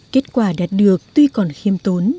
kết quả đạt được tuy còn khiêm tố